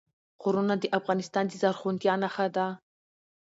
غرونه د افغانستان د زرغونتیا نښه ده.